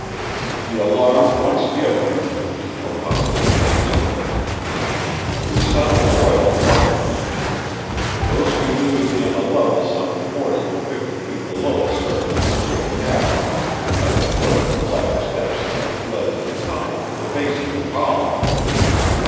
The alarm once given, there was no possible chance for us. We sought the royal apartments. Those we knew to be on a level some forty or fifty feet below the surface of the great cavern, at the foot of the flight of steps which led to the tunnel to the base of the column.